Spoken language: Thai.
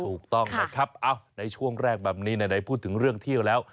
ถูกต้องนะครับในช่วงแรกแบบนี้ไหนพูดถึงเรื่องเที่ยวแล้ว